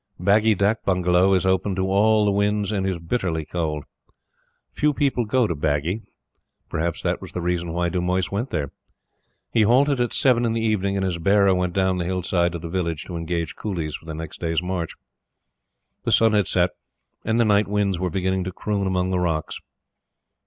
Bagi dak bungalow is open to all the winds and is bitterly cold. Few people go to Bagi. Perhaps that was the reason why Dumoise went there. He halted at seven in the evening, and his bearer went down the hill side to the village to engage coolies for the next day's march. The sun had set, and the night winds were beginning to croon among the rocks.